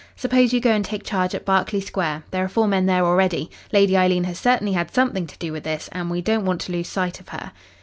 Suppose you go and take charge at Berkeley Square. There are four men there already. Lady Eileen has certainly had something to do with this, and we don't want to lose sight of her."